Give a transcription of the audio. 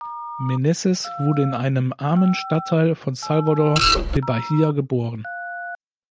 Menezes wurde in einem armen Stadtteil von Salvador da Bahia geboren.